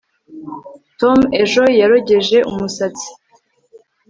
Tom ejo yarogeje umusatsi